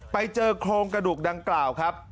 ไปเจอโครงกระดูกดังกล่าวครับ